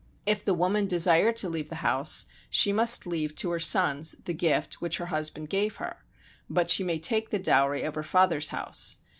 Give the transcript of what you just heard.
If the woman desire to leave the house, she must leave to her sons the gift which her husband gave her, but she may take the dowry of her father's house.